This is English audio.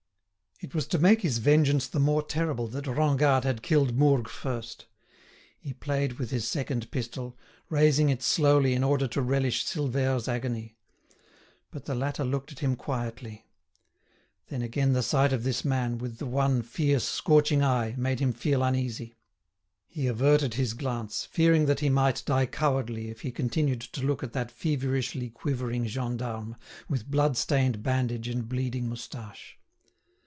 It was to make his vengeance the more terrible that Rengade had killed Mourgue first. He played with his second pistol, raising it slowly in order to relish Silvère's agony. But the latter looked at him quietly. Then again the sight of this man, with the one fierce, scorching eye, made him feel uneasy. He averted his glance, fearing that he might die cowardly if he continued to look at that feverishly quivering gendarme, with blood stained bandage and bleeding moustache.